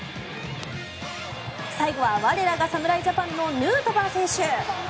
最後は我らが侍ジャパンのヌートバー選手。